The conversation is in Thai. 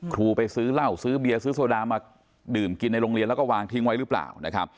ครูไปซื้อเหล้าซื้อเบียร์ซื้อโซดามาดื่มกินในโรงเรียนแล้วก็วางทิ้งไว้หรือเปล่านะครับ